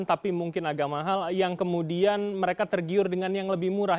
tapi mungkin agak mahal yang kemudian mereka tergiur dengan yang lebih murah